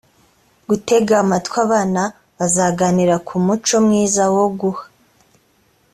gutega amatwi abana bazaganira ku muco mwiza wo guha